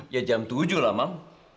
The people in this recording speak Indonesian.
ya jam tujuh lah bang